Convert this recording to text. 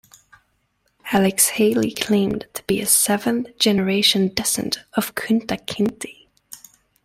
Alex Haley claimed to be a seventh-generation descendant of Kunta Kinte.